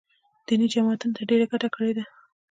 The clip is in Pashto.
دیني جماعتونو ته ډېره ګټه کړې ده